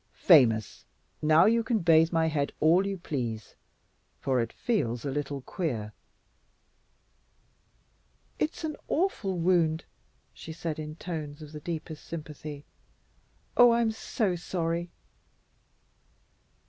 "Famous! Now you can bathe my head all you please for it feels a little queer." "It's an awful wound," she said in tones of the deepest sympathy. "Oh, I'm so sorry!"